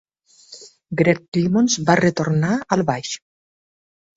Gregg Clemons va retornar al baix.